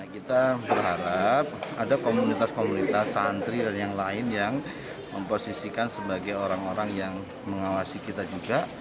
kita berharap ada komunitas komunitas santri dan yang lain yang memposisikan sebagai orang orang yang mengawasi kita juga